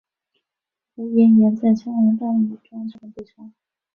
吴廷琰在枪林弹雨中差点被杀。